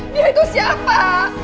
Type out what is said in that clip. dia itu siapa